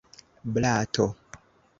blato